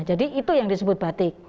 jadi itu yang disebut batik